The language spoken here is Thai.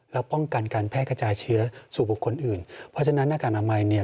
แล้วป้องกันการแพร่กระจายเชื้อสู่บุคคลอื่นเพราะฉะนั้นหน้ากากอนามัยเนี่ย